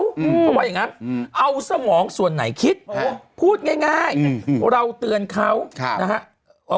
เพราะว่าอย่างนั้นเอาสมองส่วนไหนคิดพูดง่ายเราเตือนเขานะฮะ